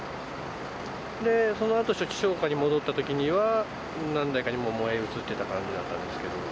そのあと初期消火に戻ったときには、何台かに燃え移っていた感じだったんですけど。